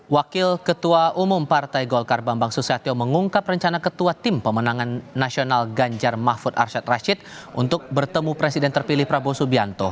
wakil ketua umum partai golkar bambang susatyo mengungkap rencana ketua tim pemenangan nasional ganjar mahfud arsyad rashid untuk bertemu presiden terpilih prabowo subianto